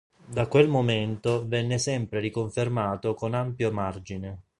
Da quel momento venne sempre riconfermato con ampio margine.